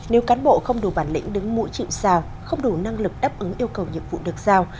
nếu cán bộ không đủ bản lĩnh đứng mũi chịu sao không đủ năng lực đáp ứng yêu cầu nhiệm vụ được giao